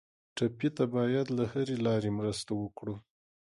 ټپي ته باید له هرې لارې مرسته وکړو.